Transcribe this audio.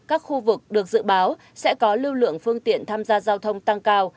các khu vực được dự báo sẽ có lưu lượng phương tiện tham gia giao thông tăng cao